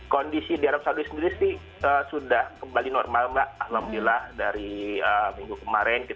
kondisi di arab saudi sendiri sih sudah kembali normal mbak alhamdulillah dari minggu kemarin